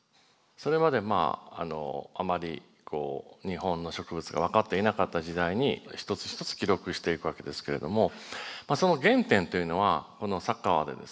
それまであまり日本の植物が分かっていなかった時代に一つ一つ記録していくわけですけれどもその原点というのはこの佐川でですね